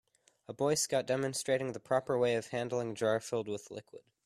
A boy scout demonstrating the proper way of handling jar filled with liquid.